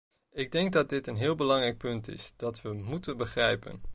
Ik denk dat dit een heel belangrijk punt is, dat we moeten begrijpen.